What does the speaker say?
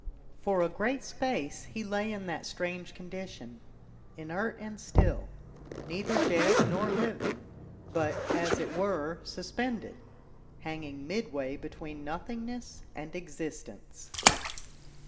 For a great space he lay in that strange condition, inert and still neither dead nor living but, as it were, suspended, hanging midway between nothingness and existence.